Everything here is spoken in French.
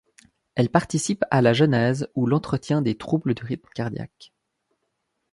Elles participent à la genèse ou à l'entretien des troubles du rythme cardiaque.